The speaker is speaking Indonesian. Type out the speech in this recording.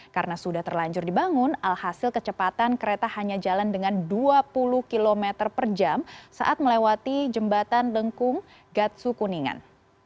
karena sudah terlanjur dibangun alhasil kecepatan kereta hanya jalan dengan dua puluh km per jam saat melewati jembatan lengkung gatsu kuningan